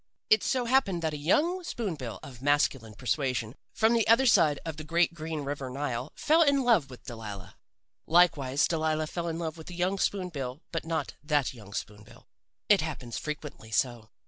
"It so happened that a young spoon bill of masculine persuasion, from the other side of the great green river Nile, fell in love with Delilah. "Likewise Delilah fell in love with a young spoon bill, but not that young spoon bill. "It happens frequently so.